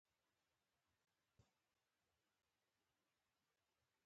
ایا ستاسو دسترخوان پراخ دی؟